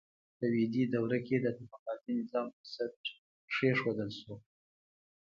په ویدي دوره کې د طبقاتي نظام بنسټ کیښودل شو.